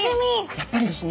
やっぱりですね